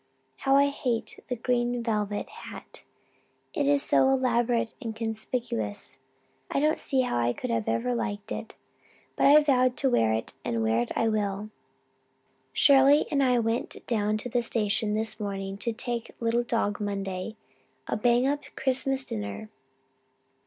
How I hate the green velvet hat! It is so elaborate and conspicuous. I don't see how I could ever have liked it. But I vowed to wear it and wear it I will. "Shirley and I went down to the station this morning to take Little Dog Monday a bang up Christmas dinner.